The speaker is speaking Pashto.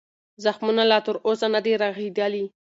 زخمونه لا تر اوسه نه دي رغېدلي.